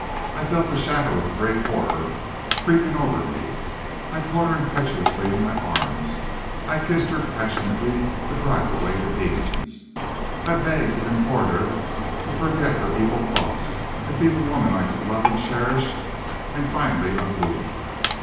I felt the shadow of a great horror creeping over me. I caught her impetuously in my arms. I kissed her passionately to drive away the demons. I begged and implored her to forget her evil thoughts, and be the woman I could love and cherish; and finally I moved her.